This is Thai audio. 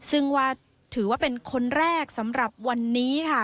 ซึ่งว่าถือว่าเป็นคนแรกสำหรับวันนี้ค่ะ